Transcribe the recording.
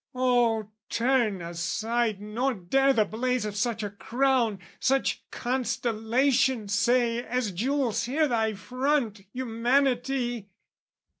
Oh, turn aside nor dare the blaze Of such a crown, such constellation, say, As jewels here thy front, Humanity!